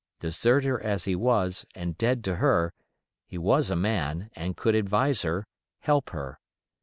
Deserter as he was, and dead to her, he was a man, and could advise her, help her.